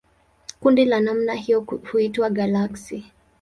Kundi la namna hiyo huitwa galaksi.